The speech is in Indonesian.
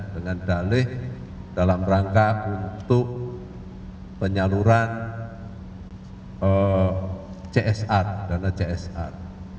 dengan dalih dalam rangka untuk penyaluran csr dana csr